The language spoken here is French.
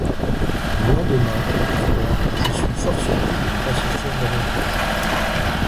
Le lendemain, trois, je suis fort surpris de ne pas souffrir davantage.